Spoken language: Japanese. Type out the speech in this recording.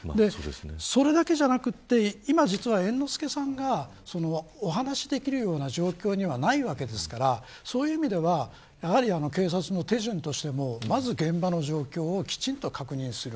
それだけじゃなくて今、実は猿之助さんがお話できるような状況にはないわけですからそういう意味ではやはり警察の手順としてもまず現場の状況をきちんと確認する。